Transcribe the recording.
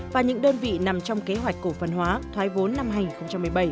và những đơn vị nằm trong kế hoạch cổ phần hóa thoái vốn năm hai nghìn một mươi bảy